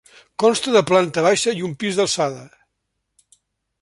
Consta de planta baixa i un pis d'alçada.